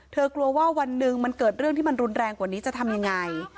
กลัวว่าวันหนึ่งมันเกิดเรื่องที่มันรุนแรงกว่านี้จะทำยังไง